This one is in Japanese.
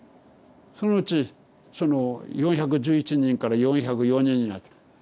そのうちその４１１人から４０４人になった。